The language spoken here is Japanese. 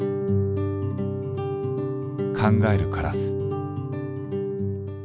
「考えるカラス」。